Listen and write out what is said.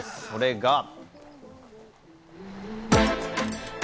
それが。